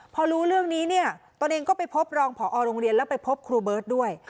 พอรู้เรื่องนี้เนี่ยตนเองก็ไปพบรองผอโรงเรียนแล้วไปพบครูเบิร์ตด้วย